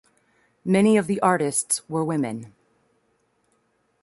Many of the artists were women.